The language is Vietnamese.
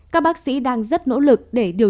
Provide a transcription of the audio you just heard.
các bác sĩ đang rất nỗ lực